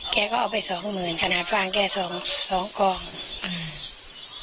แกก็เอาไปสองหมื่นขนาดฟางแกสองสองกล่องอ่า